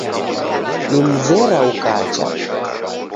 Nimzera ukacha.